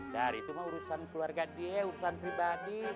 dari itu mah urusan keluarga dia urusan pribadi